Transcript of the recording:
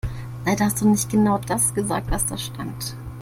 Leider hast du nicht genau das gesagt, was da stand.